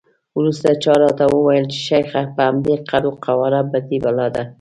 وروسته چا راته وویل چې شیخ په همدې قد وقواره بدي بلا دی.